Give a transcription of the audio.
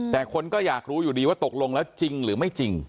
แต่คนก็อยากรู้อยู่ดีว่าตกลงแล้วจริงหรือไม่จริง